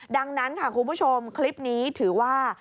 ดังนั้นค่ะคุณผู้ชมคลิปนี้ถือว่า